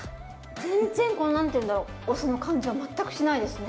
全然この何ていうんだろうお酢の感じは全くしないですね。